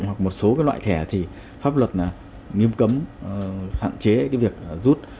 hoặc một số loại thẻ thì pháp luật nghiêm cấm hạn chế cái việc rút